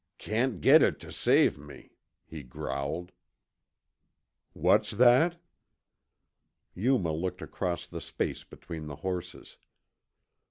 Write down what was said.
"Can't git it tuh save me," he growled. "What's that?" Yuma looked across the space between the horses.